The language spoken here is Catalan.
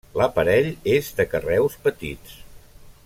L'aparell és de carreus petits.